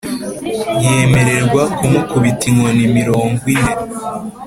Yemererwa kumukubita inkoni mirongo ine